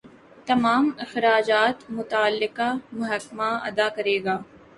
تمام اخراجات متعلقہ محکمہ ادا کرے گا